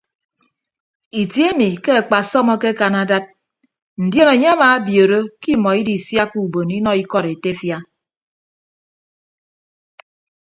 Itie emi ke akpasọm akekan adad ndion anie amabiooro ke imọ idisiakka ubon inọ ikọd etefia.